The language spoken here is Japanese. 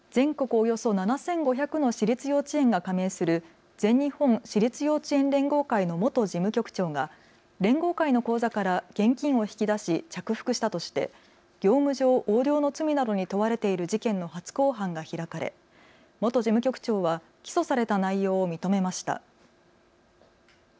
およそ７５００の私立幼稚園が加盟する全日本私立幼稚園連合会の元事務局長が連合会の口座から現金を引き出し着服したとして業務上横領の罪などに問われている事件の初公判が開かれ元事務局長は起訴された内容を認めました。